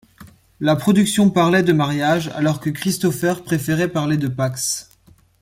La production parlait de mariage alors que Christopher préférait parler de Pacs.